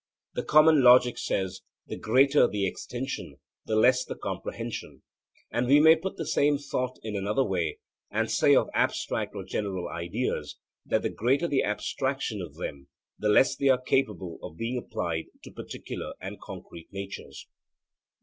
The common logic says 'the greater the extension, the less the comprehension,' and we may put the same thought in another way and say of abstract or general ideas, that the greater the abstraction of them, the less are they capable of being applied to particular and concrete natures.